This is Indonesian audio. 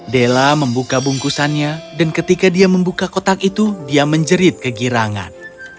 della membuka bungkusannya dan ketika dia membuka kotak itu dia menjerit kegirangan